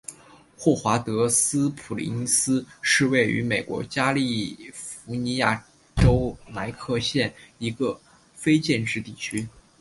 霍华德斯普林斯是位于美国加利福尼亚州莱克县的一个非建制地区。